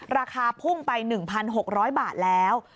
ราคาพุ่งไป๑๖๐๐บาทแล้ว